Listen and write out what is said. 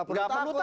tidak perlu takut